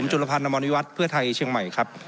จุลพันธ์อมรวิวัฒน์เพื่อไทยเชียงใหม่ครับ